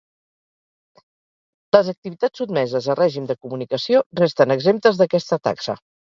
Les activitats sotmeses a règim de comunicació resten exemptes d'aquesta taxa.